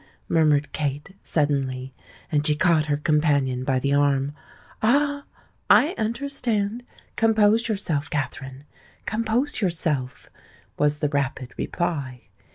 murmured Kate, suddenly; and she caught her companion by the arm. "Ah! I understand!—compose yourself, Katherine—compose yourself," was the rapid reply.